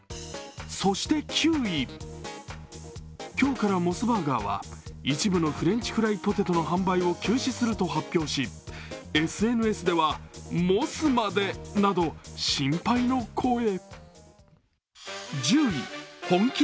そして９位、今日からモスバーガーは一部のフレンチフライポテトの販売を休止すると発表し、ＳＮＳでは心配の声。